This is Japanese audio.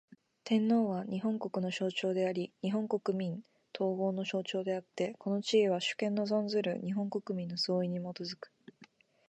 天皇は、日本国の象徴であり日本国民統合の象徴であつて、この地位は、主権の存する日本国民の総意に基く。